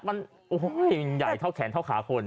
ห่วงวุ้นยังใหญ่เท่าเคล็ดเท่าขาคน